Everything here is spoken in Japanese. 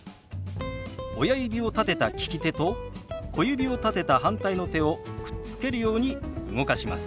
親指を立てた利き手と小指を立てた反対の手をくっつけるように動かします。